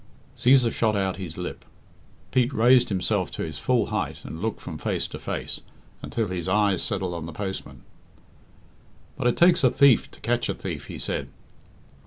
Cæsar shot out his lip. Pete raised himself to his full height and looked from face to face, until his eyes settled on the postman. "But it takes a thief to catch a thief," he said.